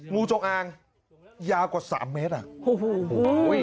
งูจงอางยาวกว่าสามเมตรอ่ะโอ้โห